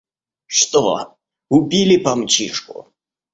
Что, убили Помчишку?